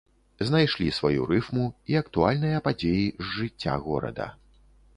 Знайшлі сваю рыфму і актуальныя падзеі з жыцця горада.